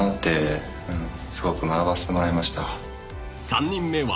［３人目は］